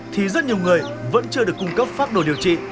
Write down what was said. thì rất nhiều người vẫn chưa được cung cấp pháp đồ điều trị